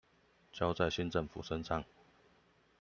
交在新政府身上